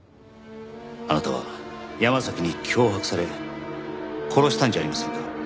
あなたは山崎に脅迫され殺したんじゃありませんか？